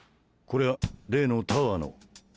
こりゃ例のタワーの。